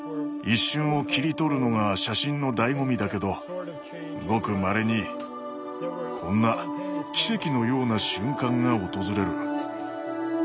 一瞬を切り取るのが写真のだいご味だけどごくまれにこんな奇跡のような瞬間が訪れる。